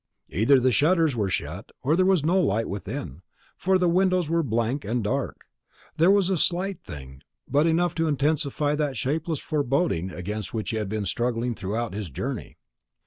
Either the shutters were shut, or there was no light within, for the windows were blank and dark. It was a slight thing, but enough to intensify that shapeless foreboding against which he had been struggling throughout his journey.